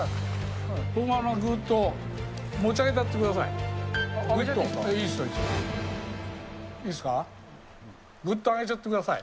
このままぐっと持ち上げちゃってください。